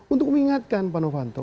untuk mengingatkan pak novanto